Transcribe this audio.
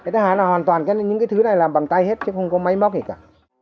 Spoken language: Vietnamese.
thế là hoàn toàn những cái thứ này làm bằng tay hết chứ không có máy móc gì cả